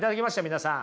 皆さん。